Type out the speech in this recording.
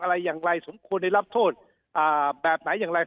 อะไรอย่างไรสมควรได้รับโทษแบบไหนอย่างไร